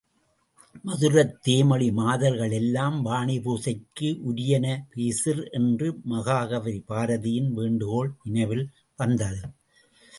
மதுரத் தேமொழி மாதர்கள் எல்லாம் வாணி பூசைக்கு உரியன பேசிர்! என்ற மகாகவி பாரதியின் வேண்டுகோள் நினைவில் வந்தது.